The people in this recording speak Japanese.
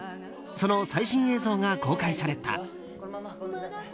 その最新映像が公開された。